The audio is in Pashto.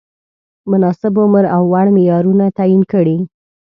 مناسب عمر او وړ معیارونه تعین کړي.